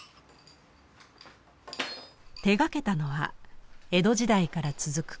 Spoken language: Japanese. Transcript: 手がけたのは江戸時代から続く工房。